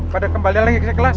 pada kembali lagi ke kelas